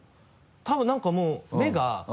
多分なんかもう目が。